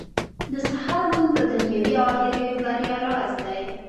• د سهار لمونځ د دنيوي او اخروي بريا راز دی.